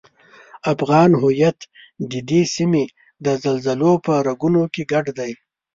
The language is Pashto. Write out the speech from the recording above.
افغان هویت ددې سیمې د زلزلو په رګونو کې ګډ دی.